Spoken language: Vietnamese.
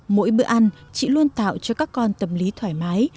mỗi bữa ăn chị luôn tạo cho các con tâm lý thoải mái